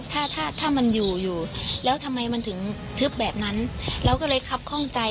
ถ้าถ้ามันอยู่อยู่แล้วทำไมมันถึงทึบแบบนั้นเราก็เลยคับข้องใจ